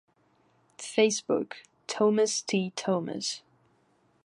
Facebook: "Thomas T. Thomas"